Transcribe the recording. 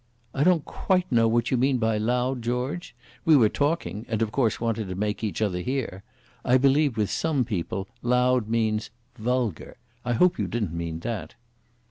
"I don't quite know what you mean by loud, George? We were talking, and of course wanted to make each other hear. I believe with some people loud means vulgar. I hope you didn't mean that."